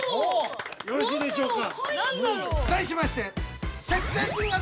◆よろしいでしょうか。